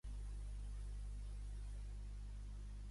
Collons que exercia tranquil·lament en una universitat nord-americana.